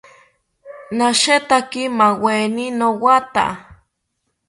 Nashetaki maaweni nowatha